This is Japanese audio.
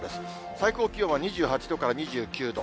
最高気温は２８度から２９度。